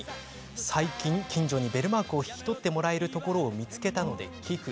最近、近所にベルマークを引き取ってもらえるところを見つけたので寄付。